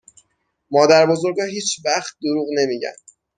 مادر بزرگا هیچ وقت دروغ نمیگن